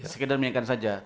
sekedar menanyakan saja